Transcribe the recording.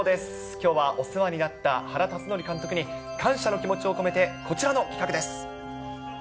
きょうはお世話になった原辰徳監督に感謝の気持ちを込めて、こちらの企画です。